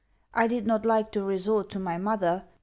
I did not like to resort to my mother.